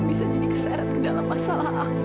bisa jadi keseret ke dalam masalah aku